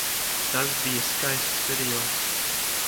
Tas bija skaists periods.